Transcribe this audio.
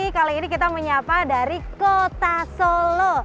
kali ini kita menyapa dari kota solo